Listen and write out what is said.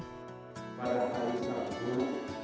pada hari sabtu besok pukul